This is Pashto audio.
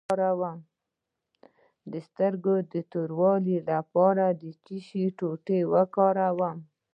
د سترګو د توروالي لپاره د څه شي ټوټې وکاروم؟